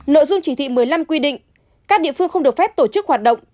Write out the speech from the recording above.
nội dung chỉ thị một mươi năm quy định các địa phương không được phép tổ chức hoạt động